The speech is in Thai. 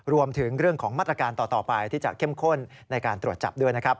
รวมถึงเรื่องของมาตรการต่อไปที่จะเข้มข้นในการตรวจจับด้วยนะครับ